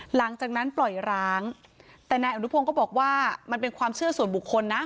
หลังจากนั้นปล่อยร้างแต่นายอนุพงศ์ก็บอกว่ามันเป็นความเชื่อส่วนบุคคลนะ